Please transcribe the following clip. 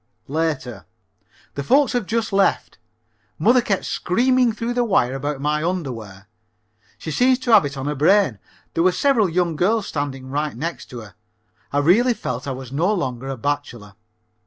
(Later.) The folks have just left. Mother kept screaming through the wire about my underwear. She seemed to have it on her brain. There were several young girls standing right next to her. I really felt I was no longer a bachelor.